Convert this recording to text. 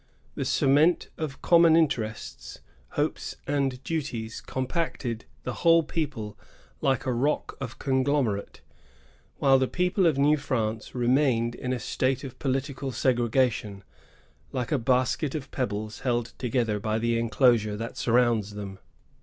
The cement of common interests, hopes, and duties compacted the whole people like a rock of conglomerate; while the people of New France remained in a state of political segre gation, like a basket of pebbles held together by the enclosure that surrounds them.